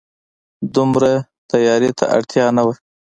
دومره تياري ته اړتيا نه وه